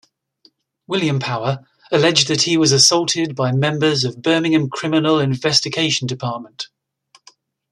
William Power alleged that he was assaulted by members of Birmingham Criminal Investigation Department.